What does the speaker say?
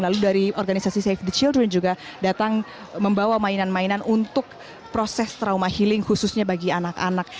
lalu dari organisasi safe the children juga datang membawa mainan mainan untuk proses trauma healing khususnya bagi anak anak